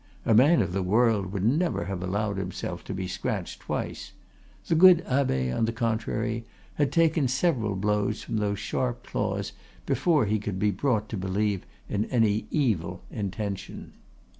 A man of the world would never have allowed himself to be scratched twice; the good abbe, on the contrary, had taken several blows from those sharp claws before he could be brought to believe in any evil intention.